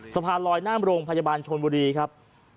สะพานลอยหน้าโรงพยาบาลชนบุรีครับ